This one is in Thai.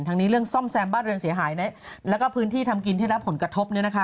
นี้เรื่องซ่อมแซมบ้านเรือนเสียหายแล้วก็พื้นที่ทำกินที่รับผลกระทบ